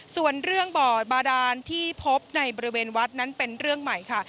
ส่วนเรื่องบ่อบาดานที่พบในบริเวณวัดนั้นเป็นเรื่องใหม่ค่ะ